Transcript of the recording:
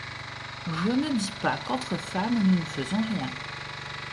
Je ne dis pas qu’entre femmes nous ne faisons rien.